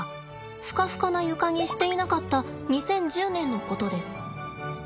フカフカな床にしていなかった２０１０年のことです。